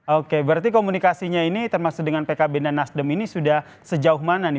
oke berarti komunikasinya ini termasuk dengan pkb dan nasdem ini sudah sejauh mana nih